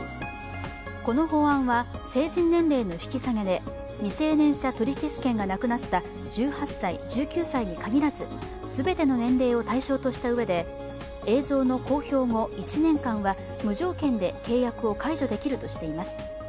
この法案は成人年齢の引き下げで未成年者取消権がなくなった１８歳、１９歳に限らず全ての年齢を対象としたうえで映像の公表後１年間は無条件で契約を解除できるとしています。